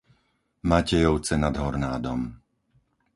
Matejovce nad Hornádom